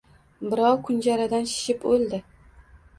Birov kunjara-dan shishib o‘ldi.